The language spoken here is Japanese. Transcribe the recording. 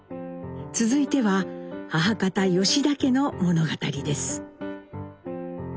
続いては母方吉田家の物語です。